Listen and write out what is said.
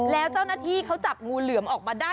แล้วเจ้าหน้าที่เขาจับงูเหลือมออกมาได้